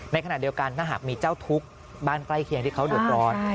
ในขณะเดียวกันถ้าหากมีเจ้าทุกข์บ้านใกล้เคียงที่เขาเดือดร้อน